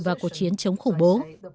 và cuộc chiến chống khủng bố